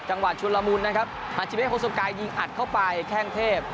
จังหวัดชุนรมูลนะครับหาชิเบศโฮซูกายยิงอัดเข้าไปแค่งเทพ